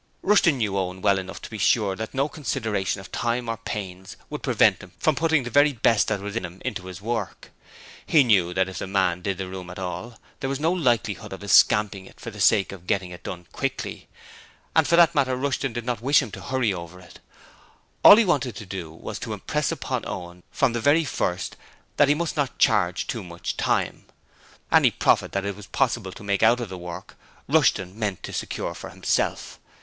Rushton knew Owen well enough to be sure that no consideration of time or pains would prevent him from putting the very best that was in him into this work. He knew that if the man did the room at all there was no likelihood of his scamping it for the sake of getting it done quickly; and for that matter Rushton did not wish him to hurry over it. All that he wanted to do was to impress upon Owen from the very first that he must not charge too much time. Any profit that it was possible to make out of the work, Rushton meant to secure for himself.